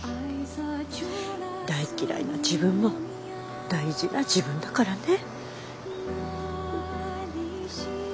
大嫌いな自分も大事な自分だからね。